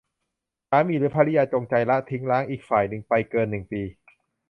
สามีหรือภริยาจงใจละทิ้งร้างอีกฝ่ายหนึ่งไปเกิน หนึ่ง ปี